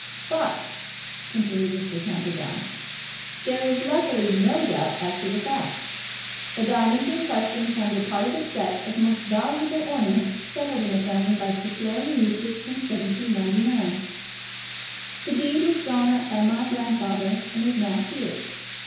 "But," continued Mr. Camperdown, "there is luckily no doubt as to the facts. The diamonds in question formed a part of a set of most valuable ornaments settled in the family by Sir Florian Eustace in 1799. The deed was drawn up by my grandfather, and is now here.